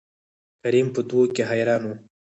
کريم په دو کې حيران وو.